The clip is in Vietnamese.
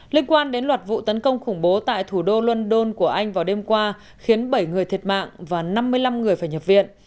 liên quan đến loạt vụ tấn công khủng bố tại thủ đô london của anh vào đêm qua khiến bảy người thiệt mạng và năm mươi năm người phải nhập viện